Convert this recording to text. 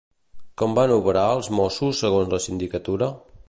Com van obrar els mossos segons la sindicatura?